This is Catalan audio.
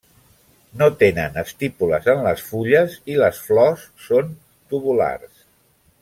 No tenen estípules en les fulles i les flors són tubulars.